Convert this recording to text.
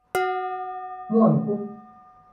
ม่วนกุ๊บ